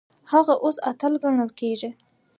هغه اوس اتل ګڼل کیږي.